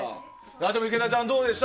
でも池田ちゃん、どうでした？